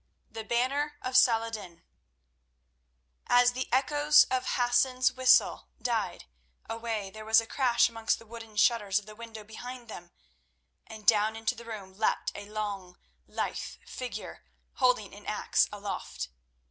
The Banner of Saladin As the echoes of Hassan's whistle died away there was a crash amongst the wooden shutters of the window behind them, and down into the room leaped a long, lithe figure, holding an axe aloft.